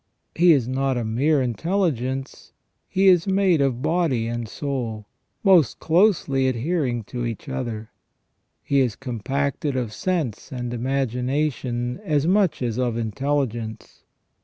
He is not a mere intelligence. He is made of body and soul, most closely adhering to each other. THE REGENERATION OF MAN. 361 He is compacted of sense and imagination as much as of intelligence.